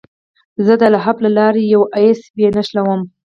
زه د هب له لارې یو ایس بي نښلوم.